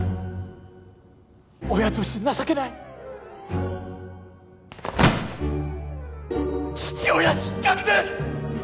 親として情けない父親失格です！